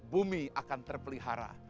bumi akan terpelihara